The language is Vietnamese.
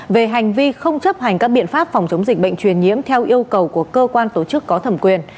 về hành vi không chấp hành các biện pháp phòng chống dịch bệnh truyền nhiễm theo yêu cầu của cơ quan tổ chức có thẩm quyền